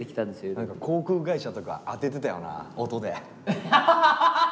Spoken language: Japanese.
何か航空会社とか当ててたよな音で。